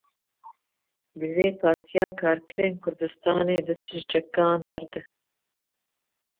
Divê Partiya Karkerên Kurdistanê dest ji çekan berde.